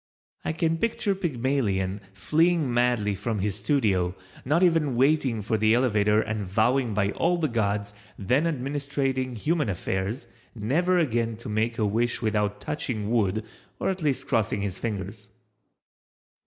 I can picture Pygmalion fleeing madly from his studio, not even waiting for the elevator and vowing by all the gods, then administrating human affairs, never again to make a wish without touching wood or at least crossing his fingers.